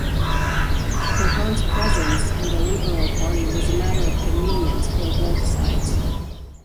Cauchon's presence in the Liberal Party was a matter of convenience for both sides.